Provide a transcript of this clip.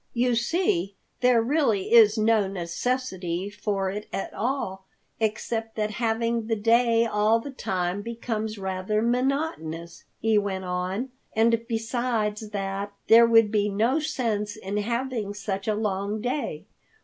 "You see there really is no necessity for it at all, except that having the day all the time becomes rather monotonous," he went on. "And besides that, there would be no sense in having such a long day.